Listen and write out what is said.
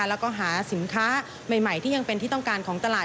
แล้วก็หาสินค้าใหม่ที่ยังเป็นที่ต้องการของตลาด